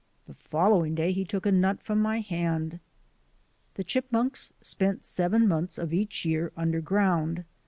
The following day he took a nut from my hand. The chipmunks spent seven months of each year underground.